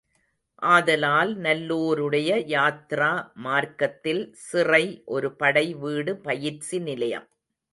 ஆதலால் நல்லோருடைய யாத்திரா மார்க்கத்தில் சிறை ஒரு படை வீடு பயிற்சி நிலையம்.